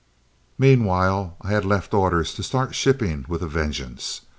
Meanwhile I had left orders to start the shipping with a vengeance.